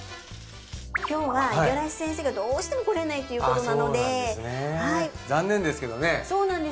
今日は五十嵐先生がどうしても来れないっていうことなのでああそうなんですね残念ですけどね